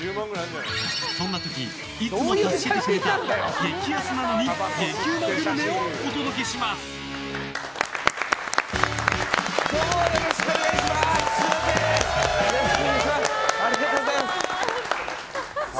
そんな時、いつも助けてくれた激安なのに激ウマグルメをよろしくお願いします！